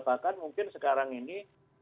bahkan mungkin sekarang ini